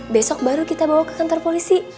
besok baru kita bawa ke kantor polisi